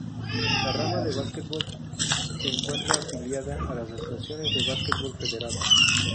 La rama de Basquetbol se encuentra afiliada a las asociaciones de Básquetbol Federado.